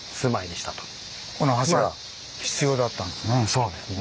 そうですね。